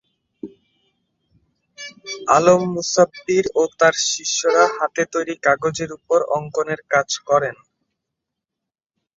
আলম মুসাববীর ও তাঁর শিষ্যরা হাতে-তৈরি কাগজের উপর অঙ্কনের কাজ করেন।